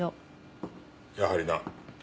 やはりな。